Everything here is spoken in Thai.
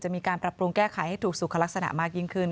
มีการปรับปรุงแก้ไขให้ถูกสุขลักษณะมากยิ่งขึ้น